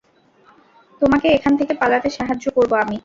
তোমাকে এখান থেকে পালাতে সাহায্য করবো আমি।